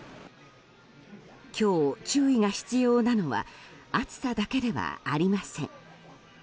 今日、注意が必要なのは暑さだけではありません。